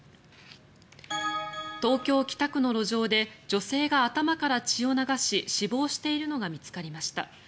東京・北区の路上で女性が頭から血を流し死亡しているのが見つかりました。